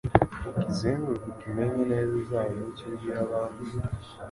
ukizenguruke ukimenye neza uzabone icyo ubwira abandi,